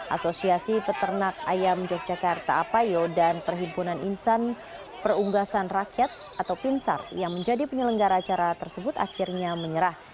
asosiasi peternak ayam yogyakarta apayo dan perhimpunan insan perunggasan rakyat atau pinsar yang menjadi penyelenggara acara tersebut akhirnya menyerah